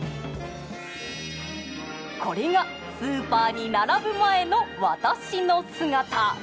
これがスーパーに並ぶ前の私の姿。